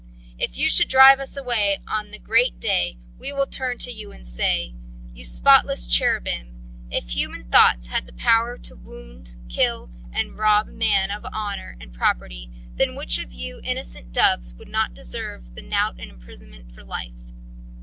"If you should drive us away on the great day, we will turn to you and say: 'You spotless Cherubim if human thoughts had the power to wound, kill, and rob man of honour and property, then which of you innocent doves would not deserve the knout and imprisonment for life?'